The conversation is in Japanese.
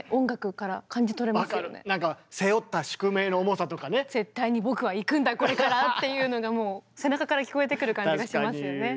そういうところが「絶対に僕は行くんだこれから」っていうのがもう背中から聞こえてくる感じがしますよね。